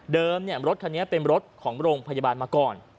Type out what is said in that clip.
เดิมเนี่ยรถคันนี้เป็นรถของโรงพยาบาลมาก่อน